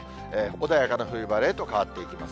穏やかな冬晴れへと変わっていきます。